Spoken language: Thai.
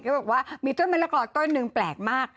ก็บอกว่ามีต้นมะละกอต้นหนึ่งแปลกมาก